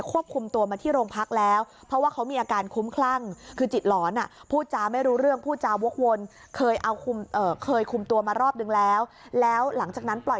ควบคุมตัวมาที่โรงพักษณ์แล้วเพราะว่าเขามีอาการคุ้มคลั่ง